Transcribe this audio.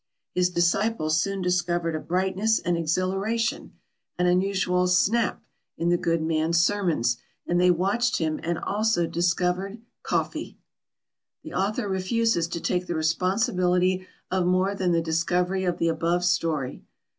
His disciples soon discovered a brightness and exhilaration, an unusual "snap," in the good man's sermons, and they watched him and also discovered Coffee! The author refuses to take the responsibility of more than the discovery of the above story.